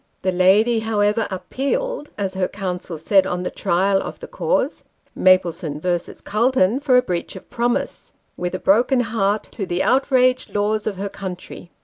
The lady, however, " appealed," as her counsel said on the trial of the cause, Maplesone v. Calton. for a breach of promise, " with a broken heart, to the outraged laws of her country."